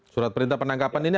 surat perintah penangkapan ini